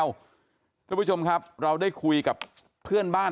สวัสดีคุณผู้ชายสวัสดีคุณผู้ชาย